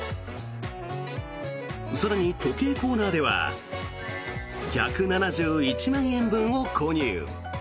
更に時計コーナーでは１７１万円分を購入。